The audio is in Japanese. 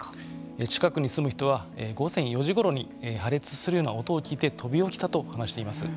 近くに住む人は午前４時頃に破裂するような音を聞いて飛び起きたと話しています。